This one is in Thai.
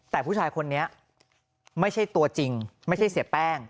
แต่ผู้ชายคนนี้ไม่ใช่ตัวจริงไม่ใช่เสียแป้ง